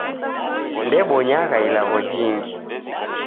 Ndebonyagha ilagho jingu